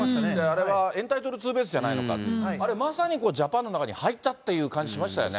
あれはエンタイトルツーベースじゃないのか、あれ、まさにジャパンの中に入ったっていう感じしましたよね。